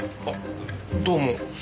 あどうも。